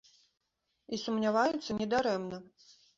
І сумняваюцца не дарэмна.